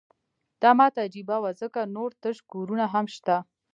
دا ماته عجیبه وه ځکه نور تش کورونه هم شته